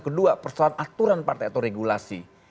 kedua persoalan aturan partai atau regulasi